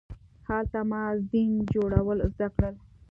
هلته ما زین جوړول زده کړل.